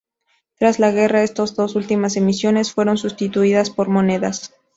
Tras la guerra estas dos últimas emisiones fueron sustituidas por monedas.